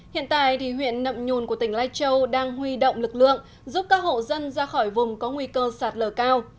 hiện tại thì huyện nậm nhôn của tỉnh lai châu đang huy động lực lượng giúp các hộ dân ra khỏi vùng có nguy cơ sạt lờ cao